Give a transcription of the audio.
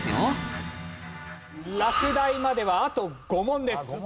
落第まではあと５問です。